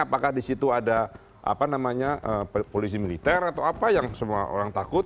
apakah disitu ada apa namanya polisi militer atau apa yang semua orang takut